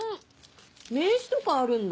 名刺とかあるんだ。